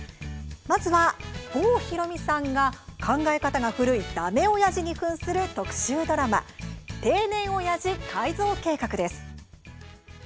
まずは、郷ひろみさんが考え方が古いだめオヤジにふんする特集ドラマ「定年オヤジ改造計画」です。